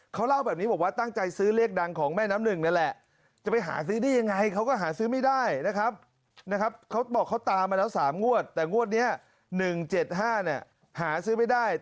เขาเล่าแบบนี้บอกว่าตั้งใจซื้อเลขดังของแม่น้ำหนึ่งนั่นแหละ